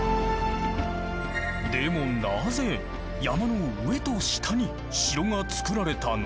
でもなぜ山の上と下に城がつくられたの？